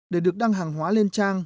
để được đăng hàng hóa lên trang